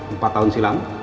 empat tahun silam